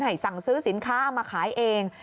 สั่งซื้อสินค้าเอามาขายเอง